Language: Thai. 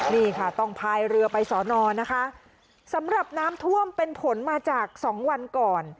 นี่ค่ะต้องพายเรือไปสอนอนะคะสำหรับน้ำท่วมเป็นผลมาจากสองวันก่อน